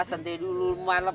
santai dulu malam